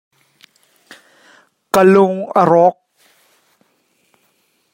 Ka lung a rawk.